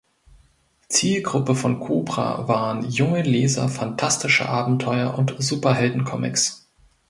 Zielgruppe von Kobra waren junge Leser phantastischer Abenteuer- und Superheldencomics.